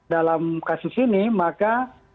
dalam kasus ini maka